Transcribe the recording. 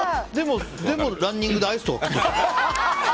でも、ランニングでアイスとか食ってて。